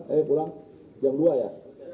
saya pulang jam dua ya